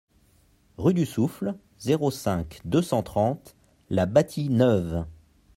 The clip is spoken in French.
Rue du Souffle, zéro cinq, deux cent trente La Bâtie-Neuve